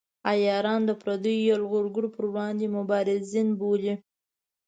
عیاران د پردیو یرغلګرو پر وړاندې مبارزین بولي.